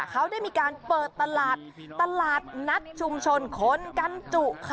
เขาได้มีการเปิดตลาดตลาดนัดชุมชนคนกันจุค่ะ